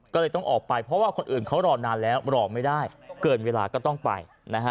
ก็เลยต้องออกไปเพราะว่าคนอื่นเขารอนานแล้วรอไม่ได้เกินเวลาก็ต้องไปนะฮะ